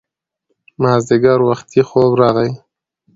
مازیګر وختي خوب راغی